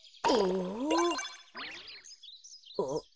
あっ。